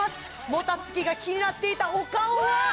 もたつきが気になっていたお顔はわあっ！